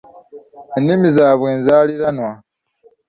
Ennimi zaabwe enzaaliranwa.